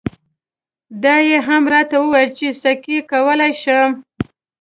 دا یې هم راته وویل چې سکی کولای شم.